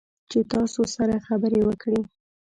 چې تاسو سره خبرې وکړي